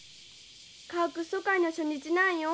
家屋疎開の初日なんよ。